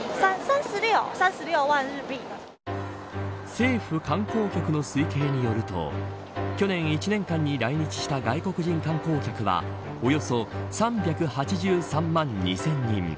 政府観光局の推計によると去年１年間に来日した外国人観光客はおよそ３８３万２０００人。